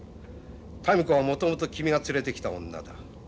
民子はもともと君が連れてきた女だ。